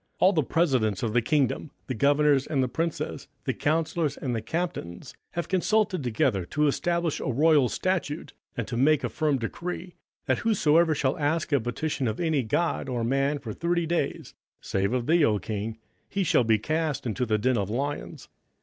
27:006:007 All the presidents of the kingdom, the governors, and the princes, the counsellors, and the captains, have consulted together to establish a royal statute, and to make a firm decree, that whosoever shall ask a petition of any God or man for thirty days, save of thee, O king, he shall be cast into the den of lions.